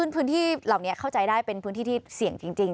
พื้นที่เหล่านี้เข้าใจได้เป็นพื้นที่ที่เสี่ยงจริง